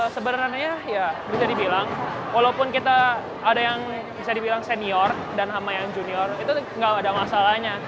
sebenarnya ya bisa dibilang walaupun kita ada yang bisa dibilang senior dan sama yang junior itu nggak ada masalahnya